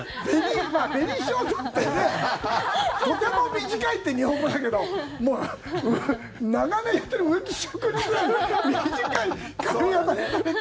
ベリーショートってとても短いっていう日本語だけど長年やってる植木職人ぐらいの短い髪形にされて。